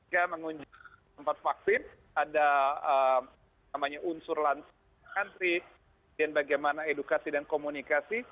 kami mengunjungi tempat vaksin ada namanya unsur lansianya dan bagaimana edukasi dan komunikasi